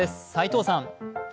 齋藤さん。